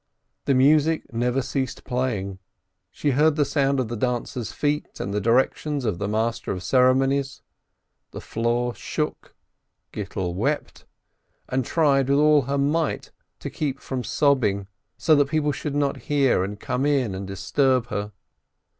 The music never ceased playing, she heard the sound of the dancers' feet and the directions of the master of ceremonies; the floor shook, Gittel wept, and tried with all her might to keep from sobbing, so that people should not hear and come in and disturb her.